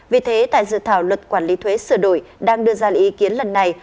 vì thế tại dự thảo luật quản lý thuế sửa đổi đang đưa ra ý kiến lần này